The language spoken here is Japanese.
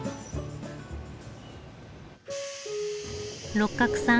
六角さん